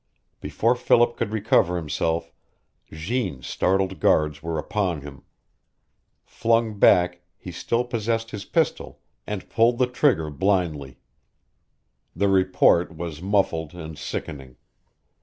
Before Philip could recover himself Jeanne's startled guards were upon him. Flung back, he still possessed his pistol, and pulled the trigger blindly. The report was muffled and sickening.